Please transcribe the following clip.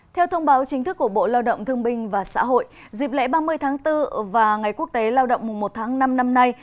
theo thông báo chính thức của bộ lao động thương binh và xã hội dịp lễ ba mươi tháng bốn và ngày quốc tế lao động mùa một tháng năm năm nay